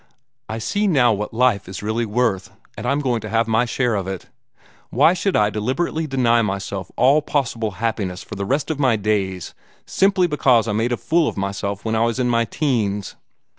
I see now what life is really worth, and I'm going to have my share of it. Why should I deliberately deny myself all possible happiness for the rest of my days, simply because I made a fool of myself when I was in my teens?